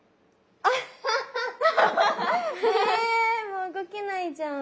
もう動けないじゃん。